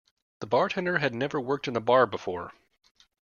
The bartender had never worked in a bar before